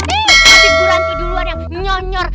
ih bu ranti duluan yang nyonyor